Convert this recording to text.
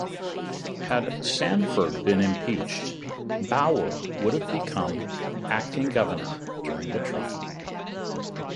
Had Sanford been impeached, Bauer would have become acting governor during the trial.